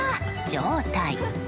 状態。